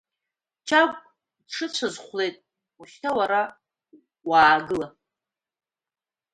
Чагә дшыцәаз хәлеит, уажәшьҭа уара уаагыла…